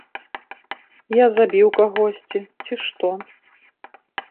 Я забіў кагосьці, ці што?